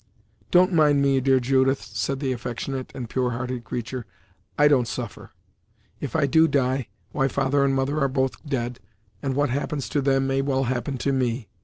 "Don't mind me, dear Judith," said the affectionate and pure hearted creature, "I don't suffer; if I do die, why father and mother are both dead, and what happens to them may well happen to me.